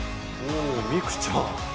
おお未玖ちゃん。